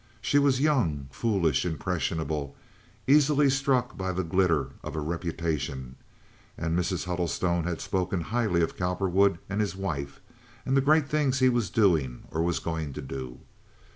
She was young, foolish, impressionable, easily struck by the glitter of a reputation, and Mrs. Huddlestone had spoken highly of Cowperwood and his wife and the great things he was doing or was going to do.